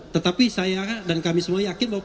tetapi saya dan kami semua yakin bahwa